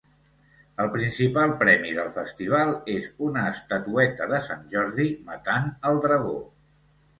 El principal premi del festival és una estatueta de Sant Jordi matant el dragó.